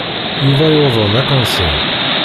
Yuba yuḍen akansir.